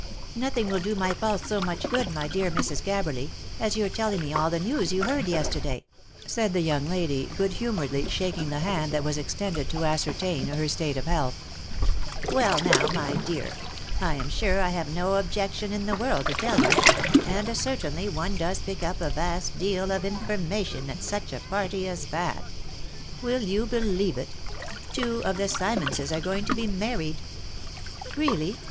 " Nothing will do my pulse so much good, my dear Mrs. Gabberly, as your telling me all the news you heard yesterday," said the young lady, good humouredly shaking the hand that was extended to ascer tain her state of health. OF MICHAEL ARMSTRONG. 195 <f Well now, my dear, I am sure I have no objection in the world to tell you, and certainly one does pick up a vast deal of information at such a party as that. Will you believe it ? two of the Simmonses are going to be married." " Really